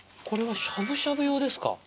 これはしゃぶしゃぶ用ですか？